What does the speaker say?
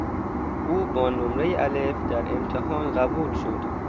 او با نمره الف در امتحان قبول شد.